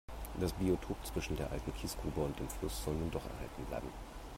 Das Biotop zwischen der alten Kiesgrube und dem Fluss soll nun doch erhalten bleiben.